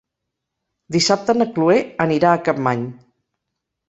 Dissabte na Chloé anirà a Capmany.